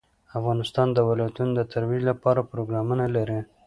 افغانستان د ولایتونو د ترویج لپاره پروګرامونه لري.